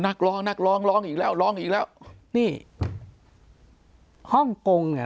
นักร้องนักร้องร้องอีกแล้วร้องอีกแล้วนี่ฮ่องกงเนี่ย